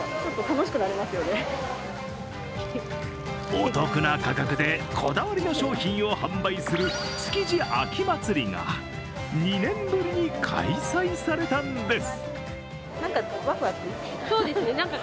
お得な価格で、こだわりの商品を販売する築地秋祭りが２年ぶりに開催されたんです。